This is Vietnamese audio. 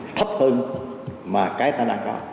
thấp hơn mà cái ta đã có